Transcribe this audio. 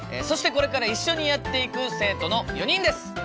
そしてこれから一緒にやっていく生徒の４人です！